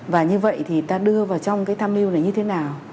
và như vậy thì ta đưa vào trong cái tham mưu này như thế nào